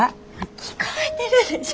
聞こえてるでしょ！